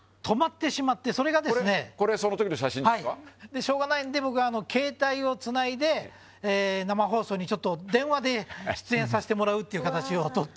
しょうがないので僕は携帯を繋いで生放送に舛腓辰電話で出演させてもらうっていう形をとって。